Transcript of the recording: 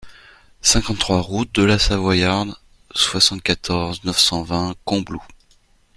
cinquante-trois route de la Savoyarde, soixante-quatorze, neuf cent vingt, Combloux